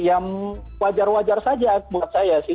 ya wajar wajar saja buat saya sih